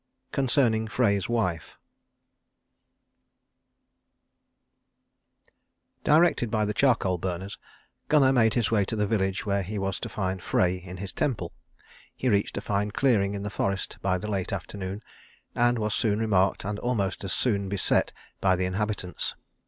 CONCERNING FREY'S WIFE Directed by the charcoal burners, Gunnar made his way to the village where he was to find Frey in his temple. He reached a fine clearing in the forest by the late afternoon, and was soon remarked and almost as soon beset by the inhabitants.